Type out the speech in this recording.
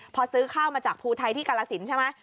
พอซื้อข้าวมาจากภูไทยที่กาลสินใช่ไหม